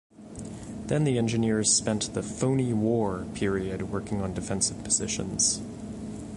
Then the engineers spent the Phoney War period working on defensive positions.